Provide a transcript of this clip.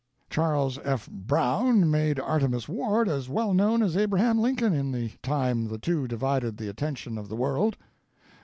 Charles F. Browne made Artemus Ward as well known as Abraham Lincoln in the time the two divided the attention of the world.